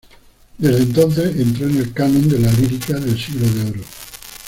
Desde entonces entró en el canon de la lírica del Siglo de Oro.